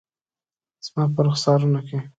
زما په رخسارونو کې